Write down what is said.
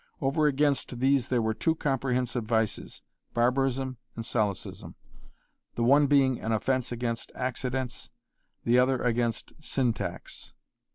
Over against these there were two comprehensive vices, barbarism and solecism, the one being an offence against accidence, the other against syntax.